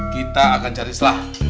kita akan cari selah